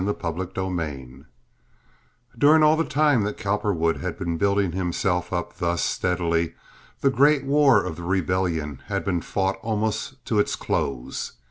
Chapter XIII During all the time that Cowperwood had been building himself up thus steadily the great war of the rebellion had been fought almost to its close.